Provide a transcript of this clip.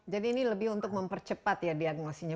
jadi ini lebih untuk mempercepat ya diagnosinya